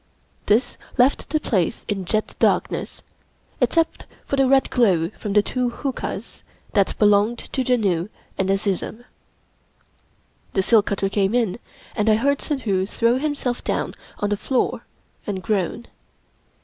This left the place in jet darkness, except for the red glow from the two huqas that belonged to Janoo and Azizun. The seal cutter came in, and I heard Suddhoo throw him self down on the floor and groan.